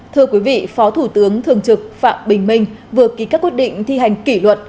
thưa quý vị phó thủ tướng thường trực phạm bình minh vừa ký các quyết định thi hành kỷ luật